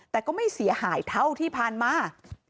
แต่ก็ไม่เสียหายเท่าที่ผ่านมา